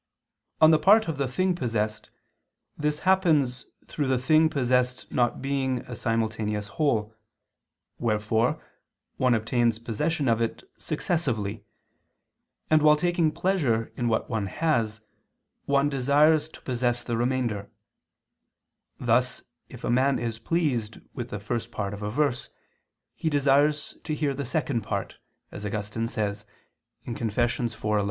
On the part of the thing possessed, this happens through the thing possessed not being a simultaneous whole; wherefore one obtains possession of it successively, and while taking pleasure in what one has, one desires to possess the remainder: thus if a man is pleased with the first part of a verse, he desires to hear the second part, as Augustine says (Confess. iv, 11).